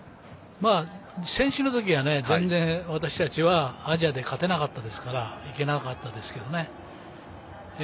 選手たちは私たちは、アジアで勝てなかったですから行けなかったですけどね。